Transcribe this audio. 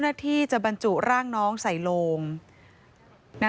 พบหน้าลูกแบบเป็นร่างไร้วิญญาณ